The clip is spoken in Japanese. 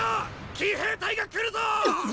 騎兵隊が来るぞォ！！